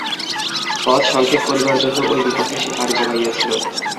পথ সংক্ষেপ করিবার জন্য ওই বিপথে সে পাড়ি জমাইয়াছিল।